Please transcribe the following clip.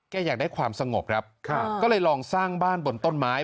อยากได้ความสงบครับก็เลยลองสร้างบ้านบนต้นไม้